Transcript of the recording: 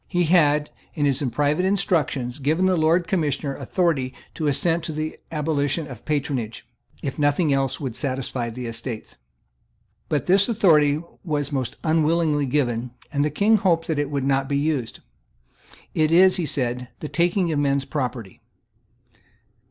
He had, in his private instructions, given the Lord Commissioner authority to assent to the abolition of patronage, if nothing else would satisfy the Estates. But this authority was most unwillingly given; and the King hoped that it would not be used. "It is," he said, "the taking of men's property."